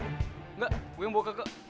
enggak gue yang bawa ke kak